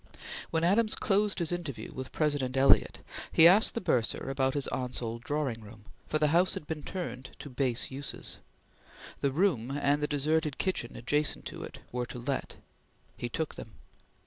When Adams closed his interview with President Eliot, he asked the Bursar about his aunt's old drawing room, for the house had been turned to base uses. The room and the deserted kitchen adjacent to it were to let. He took them.